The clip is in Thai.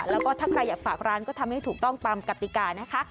แล้วก็ถ้าใครอยากฝากร้านก็ทำให้ถูกต้องตามกติกานะคะ